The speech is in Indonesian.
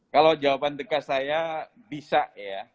kalau jawaban dekat saya bisa ya